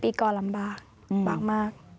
ปีก่อนลำบาก